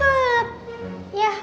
ya boleh ya